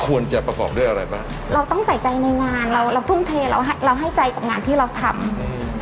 ควรจะประกอบด้วยอะไรบ้างเราต้องใส่ใจในงานเราเราทุ่มเทเราให้เราให้ใจกับงานที่เราทำอืม